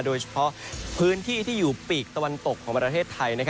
โดยเฉพาะพื้นที่ที่อยู่ปีกตะวันตกของประเทศไทย